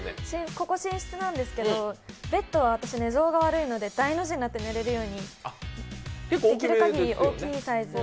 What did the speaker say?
ここ寝室なんですけど、ベッドは私、寝相が悪いので大の字になって寝れるように、できる限り大きいサイズで。